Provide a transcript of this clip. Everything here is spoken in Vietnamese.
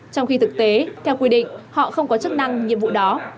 trong khi thực tế theo quy định họ không có chức năng nhiệm vụ đó